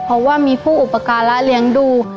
เพราะว่ามีผู้อุปการะเลี้ยงดู